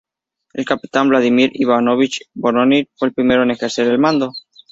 El capitán Vladimir Ivanovich Voronin fue el primero en ejercer el mando.